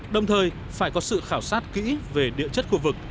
đồng thời phải có sự khảo sát kỹ về địa chất khu vực